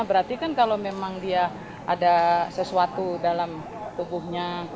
berarti kan kalau memang dia ada sesuatu dalam tubuhnya